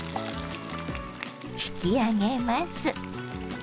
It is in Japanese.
引き上げます。